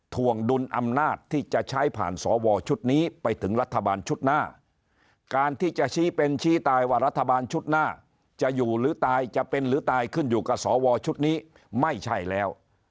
ถวงดุลอำนาจที่จะใช้ผ่านสวชุดนี้ไปถึงรัฐบาลชุดหน้าการที่จะชี้เป็นชี้ตายว่ารัฐบาลชุดหน้าจะอยู่หรือตายจะเป็นหรือตายขึ้นอยู่กับสวชุดนี้ไม่ใช่แล้ว